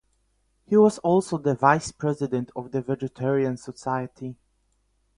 He was also the vice president of the Vegetarian Society.